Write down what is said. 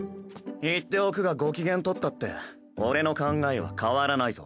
言っておくがご機嫌取ったって俺の考えは変わらないぞ。